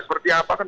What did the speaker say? seperti apa kan